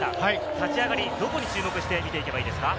立ち上がり、どこに注目して見ていけばいいですか？